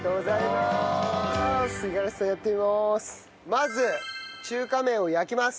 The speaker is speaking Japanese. まず中華麺を焼きます。